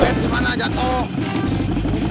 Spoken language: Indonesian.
tapi sampai tegena aku kalo discut